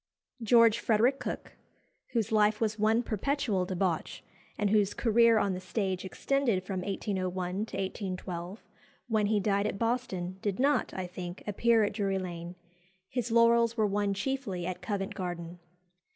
George Frederick Cooke, whose life was one perpetual debauch, and whose career on the stage extended from 1801 to 1812, when he died at Boston, did not, I think, appear at Drury Lane. His laurels were won chiefly at Covent Garden.